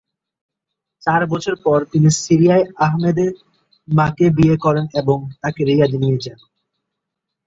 চার বছর পর, তিনি সিরিয়ায় আহমদের মাকে বিয়ে করেন এবং তাকে রিয়াদে নিয়ে যান।